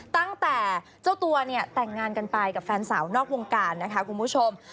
ตั้งแต่เจ้าตัวเนี่ยแต่งงานกันไปกับแฟนสาวนอกวงการนะคะคุณผู้ชม